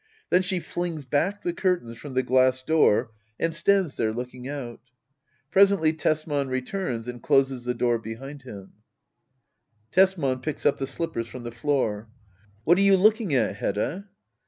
Then she flings hack the curtains from the glass door, and stands there looking out. [Presently Tesman returns and closes the door behind him, Tesman. [Picks up the slippers from the floor.] What are you looking at, Hedda?